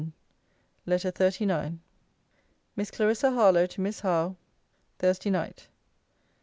LETTER XXXIX MISS CLARISSA HARLOWE, TO MISS HOWE THURSDAY NIGHT.